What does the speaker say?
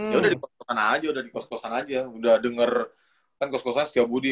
ya udah di kos kosan aja udah di kos kosan aja udah denger kan kos kosan setiabudi